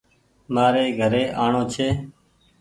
مآري گھري آڻو ڇي۔